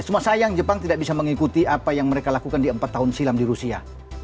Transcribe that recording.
cuma sayang jepang tidak bisa mengikuti apa yang mereka lakukan di empat tahun silam di rusia